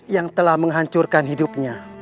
yang telah menghancurkan hidupnya